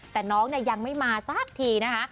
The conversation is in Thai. แต่น้องยังไม่มาสักทีนะคะ